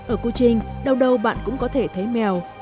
ở kuching đâu đâu bạn cũng có thể thấy mèo